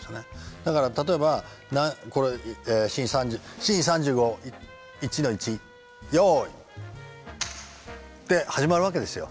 だから例えばこれ「シーン３５１−１用意」って始まるわけですよ。